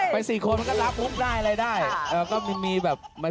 สี่คนมันก็รับมุกได้อะไรได้